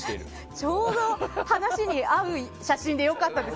ちょうど話に合う写真で良かったです。